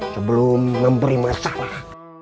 sebelum memberi masalah